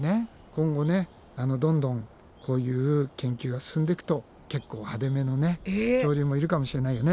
今後どんどんこういう研究が進んでいくと結構派手めの恐竜もいるかもしれないよね。